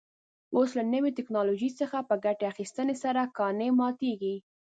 اوس له نوې تکنالوژۍ څخه په ګټې اخیستنې سره کاڼي ماتېږي.